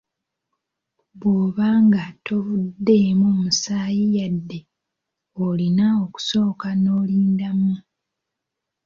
Bw'oba nga tovuddeemu musaayi yadde, olina okusooka n’olindamu.